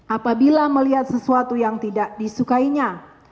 apabila melihat sesuatu yang tidak disukainya